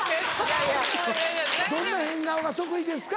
どんな変顔が得意ですか？